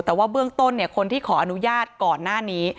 แต่ว่าเบื้องต้นคนที่ขออนุญาตก่อนหน้านี้